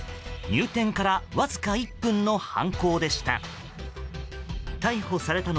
入店からわずか１分の犯行でした。